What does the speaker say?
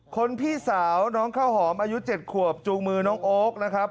พี่สาวน้องข้าวหอมอายุ๗ขวบจูงมือน้องโอ๊คนะครับ